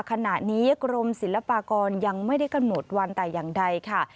ขณะนี้กรมศิลปากรยังไม่ได้กำหนดวันแต่อย่างใดค่ะ